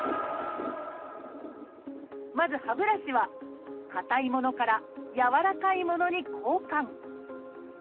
まず歯ブラシはかたいものからやわらかいものに交換。